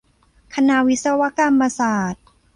คณะวิศวกรรมศาสตร์